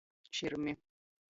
Širmi.